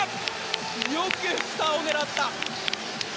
よく下を狙った！